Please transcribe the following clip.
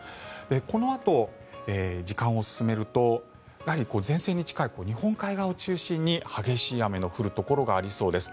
このあと、時間を進めると前線に近い日本海側を中心に激しい雨の降るところがありそうです。